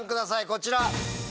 こちら。